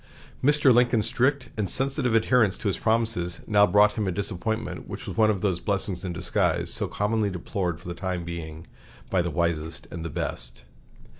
Mr. Lincoln's strict and sensitive adherence to his promises now brought him a disappointment which was one of those blessings in disguise so commonly deplored for the time being by the wisest and best.